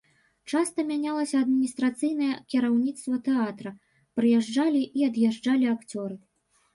Часта мянялася адміністрацыйнае кіраўніцтва тэатра, прыязджалі і ад'язджалі акцёры.